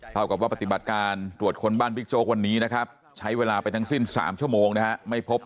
เท่ากับว่าปฏิบัติการตรวจคนบ้านบิ๊กโจ๊กวันนี้นะครับใช้เวลาไปทั้งสิ้น๓ชั่วโมงนะฮะไม่พบ